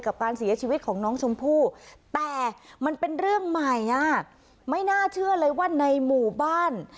กับการเสียชีวิตของน้องชมพู่แต่มันเป็นเรื่องใหม่อ่ะไม่น่าเชื่อเลยว่าในหมู่บ้าน